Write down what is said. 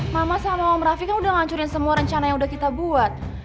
mama sama om rafi kan udah ngancurin semua rencana yang udah kita buat